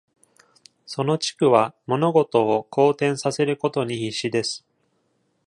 その地区は物事を好転させることに必死です。